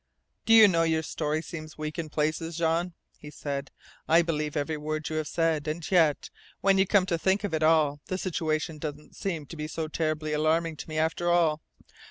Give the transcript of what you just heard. "Do you know, your story seems weak in places, Jean," he said. "I believe every word you have said. And yet, when you come to think of it all, the situation doesn't seem to be so terribly alarming to me after all.